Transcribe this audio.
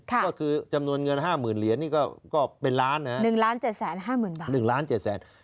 ก็คือจำนวนเงิน๕หมื่นเหรียญนี่ก็เป็นล้าน๑๗๕๐๐๐๐บาท